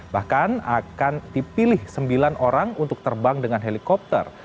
bahkan akan dipilih sembilan orang untuk terbang dengan helikopter